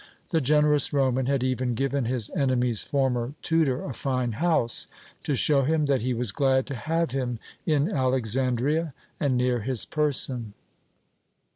The generous Roman had even given his enemy's former tutor a fine house, to show him that he was glad to have him in Alexandria and near his person.